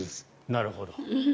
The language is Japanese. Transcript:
なるほど。